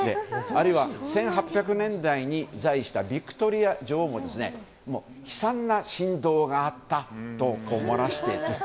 あるいは１８００年代に在位したヴィクトリア女王も悲惨な振動があったと漏らしていると。